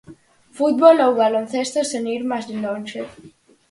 Fútbol ou baloncesto, sen ir máis lonxe.